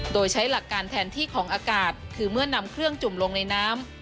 โดยใช้หลักการแทนที่ของอากาศคือเมื่อนำเครื่องจุ่มลงในน้ำ